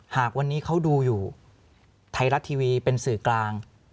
หากวันนี้เขาดูอยู่ไทยรัฐทีวีเป็นสื่อกลาง